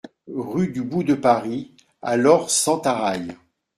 Rue du Bout de Paris à Lorp-Sentaraille